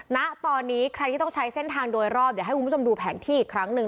ณตอนนี้ใครที่ต้องใช้เส้นทางโดยรอบเดี๋ยวให้คุณผู้ชมดูแผนที่อีกครั้งหนึ่ง